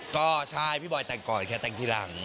ก็ใช่พี่บอยแต่งก่อนแค่แต่งทีหลัง